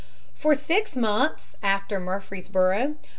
For six months after Murfreesboro' (p.